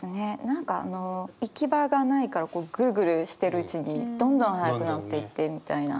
何かあの行き場がないからグルグルしてるうちにどんどん速くなっていってみたいな。